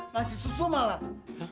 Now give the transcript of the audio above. ngasih susu malah